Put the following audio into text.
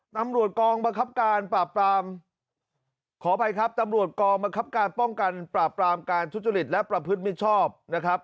ตำรวจกองบังคับการปราบปรามขออภัยครับตำรวจกองบังคับการป้องกันปราบปรามการทุจริตและประพฤติมิชชอบนะครับ